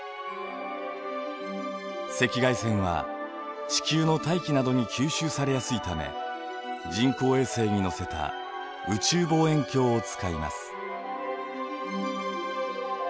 赤外線は地球の大気などに吸収されやすいため人工衛星に載せた宇宙望遠鏡を使います。